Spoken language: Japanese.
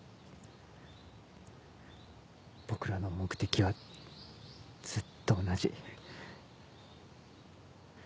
僕らの目的はずっと同じ。